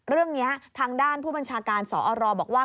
เรื่องนี้ทางด้านผู้บัญชาการสอรบอกว่า